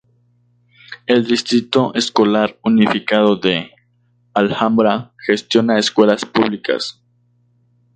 El Distrito Escolar Unificado de Alhambra gestiona escuelas públicas.